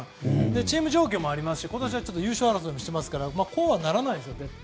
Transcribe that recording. チーム状況もありますし今年は優勝争いはしてますからこうはならない。